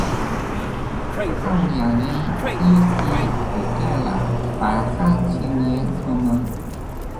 后两人一起组建了白山青年同盟。